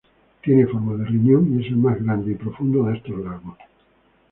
Tiene forma de riñón y es el más grande y profundo de estos lagos.